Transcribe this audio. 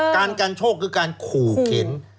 การกันโชคคือการขู่เข็น